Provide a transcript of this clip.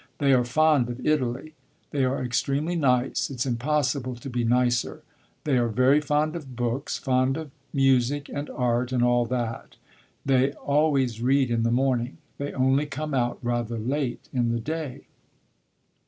They are fond of Italy. They are extremely nice; it 's impossible to be nicer. They are very fond of books, fond of music, and art, and all that. They always read in the morning. They only come out rather late in the day."